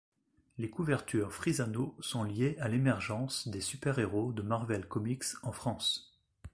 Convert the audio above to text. Les couvertures Frisano sont liées à l’émergence des super-héros de Marvel Comics en France.